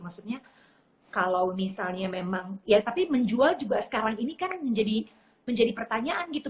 maksudnya kalau misalnya memang ya tapi menjual juga sekarang ini kan menjadi pertanyaan gitu